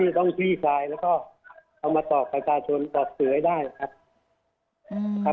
ที่ต้องจะที่สายเนาะครับแล้วก็เอามาตอบประจาชนตอบถือเหมาะได้เลยครับ